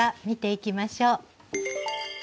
見ていきましょう。